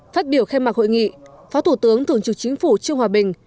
phát biểu khai mạc hội nghị phó thủ tướng thường trực chính phủ trương hòa bình